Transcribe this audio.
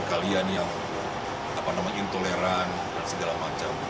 kalian yang intoleran dan segala macam